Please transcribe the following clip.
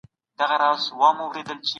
د بشري ځواک روزنه لویه پانګونه ده.